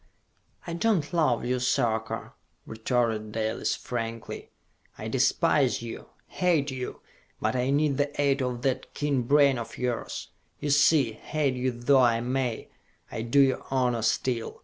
"I do not love you, Sarka!" retorted Dalis frankly. "I despise you! Hate you! But I need the aid of that keen brain of yours! You see, hate you though I may, I do you honor still.